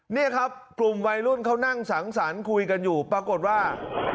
นี่ครับกลุ่มวัยรุ่นเขานั่งสังสรรค์คุยกันอยู่ปรากฏว่า